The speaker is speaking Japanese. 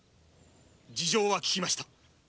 事情は聞きました。